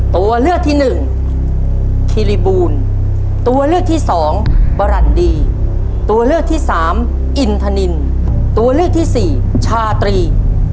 ตัวเลือกที่หนึ่งคิริบูลตัวเลือกที่สองบรันดีตัวเลือกที่สามอินทนินตัวเลือกที่สี่ชาตรี